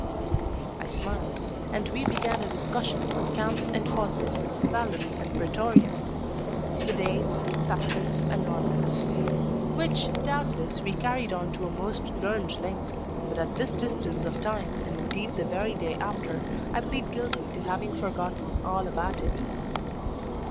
I smiled; and we began a discussion on camps and fosses, vallum and praetorium; the Danes, Saxons, and Normans; which, doubtless, we carried on to a most learned length: but at this distance of time, and indeed the very day after, I plead guilty to having forgotten all about it.